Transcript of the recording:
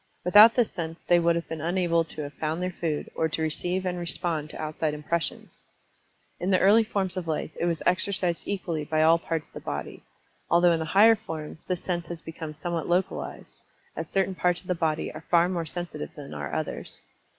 Without this sense they would have been unable to have found their food, or to receive and respond to outside impressions. In the early forms of life it was exercised equally by all parts of the body, although in the higher forms this sense has become somewhat localized, as certain parts of the body are far more sensitive than are others.